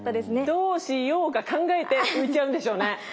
どうしようか考えて浮いちゃうんでしょうね。